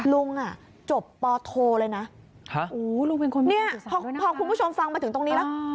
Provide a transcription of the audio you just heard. ลุงอ่ะจบปโทเลยนะฮะอู๋ลุงเป็นคนเนี้ยพอคุณผู้ชมฟังมาถึงตรงนี้แล้ว